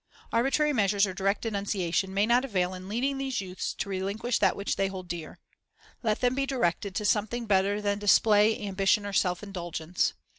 Arbitrary measures or direct denunciation may not avail in leading these youth to relinquish that which they hold dear. Let' them be directed to something better than display, ambition, or self indulgence.